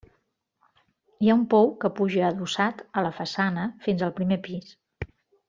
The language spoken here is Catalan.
Hi ha un pou que puja adossat a la façana fins al primer pis.